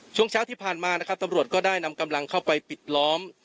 ช่วงเช้าที่ผ่านมานะครับตำรวจก็ได้นำกำลังเข้าไปปิดล้อม